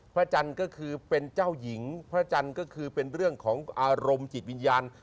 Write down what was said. พระจันทร์ก็คือเป็นเจ้าหญิงพระจันทร์ก็คือเป็นเรื่องของอารมณ์จิตวิญญาณ